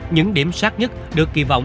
những điểm sát nhất được kỳ vọng